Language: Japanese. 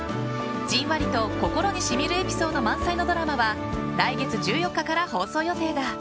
じんわりと心にしみるエピソード満載のドラマは来月１４日から放送予定だ。